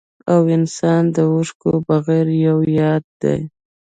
او انسان د اوښکو بغير يو ياد دی